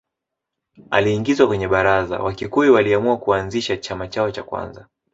Aliingizwa kwenye Baraza Wakikuyu waliamua kuanzisha chama chao cha kwanza